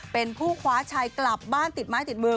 เป็นผู้คว้าชัยกลับบ้านติดไม้ติดมือ